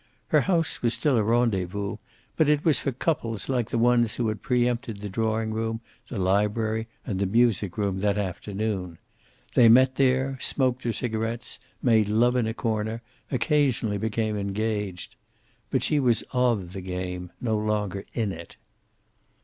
Her house was still a rendezvous, but it was for couples like the ones who had preempted the drawing room, the library and the music room that afternoon. They met there, smoked her cigarets, made love in a corner, occasionally became engaged. But she was of the game, no longer in it.